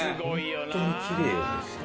ホントにきれいですね。